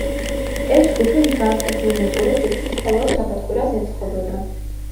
ეს ჯგუფი მსგავს სასეირნო ტურებს თითქმის ყოველ შაბათ-კვირას ეწყობოდა.